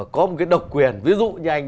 có một cái độc quyền ví dụ như anh